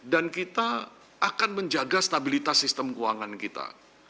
dan kita akan menjaga stabilitas sistem keuangan kita